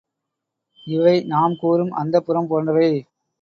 இவை நாம் கூறும் அந்தப்புரம் போன்றவை.